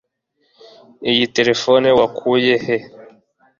iyi terefone wakuye he